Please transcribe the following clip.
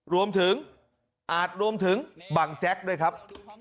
รวมถึงอาจรวมถึงบังแจ๊กด้วยครับ